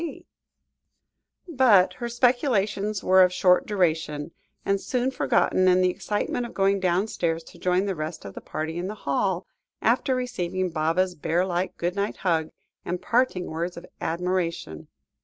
C." But her speculations were of short duration, and soon forgotten in the excitement of going downstairs to join the rest of the party in the hall, after receiving Baba's bear like good night hug, and parting words of admiration.